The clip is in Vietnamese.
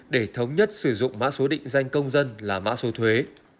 để thống nhất sử dụng mã số định danh công dân là mã số thuế